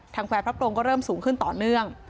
แฟร์พระโปรงก็เริ่มสูงขึ้นต่อเนื่อง